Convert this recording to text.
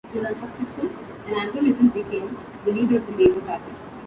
She was unsuccessful, and Andrew Little became the leader of the Labour Party.